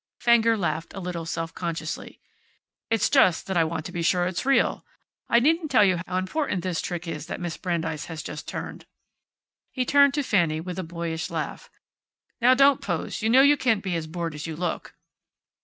Fenger laughed, a little self consciously. "It's just that I want to be sure it's real. I needn't tell you how important this trick is that Miss Brandeis has just turned." He turned to Fanny, with a boyish laugh. "Now don't pose. You know you can't be as bored as you look."